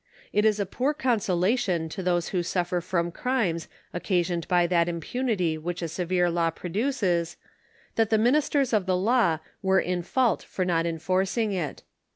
It is a poor consolation to those who suffer from crimes occasioned by that im punity which a seveie law produces, that the ministers of the law were in fault for not enforcing it.